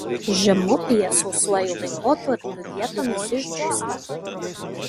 Žemupyje sausuoju laikotarpiu vietomis išdžiūsta.